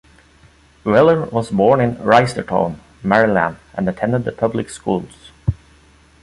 Weller was born in Reisterstown, Maryland and attended the public schools.